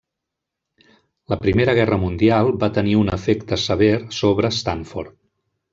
La Primera Guerra Mundial va tenir un efecte sever sobre Stanford.